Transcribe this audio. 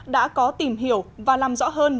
đã có tìm hiểu và làm rõ hơn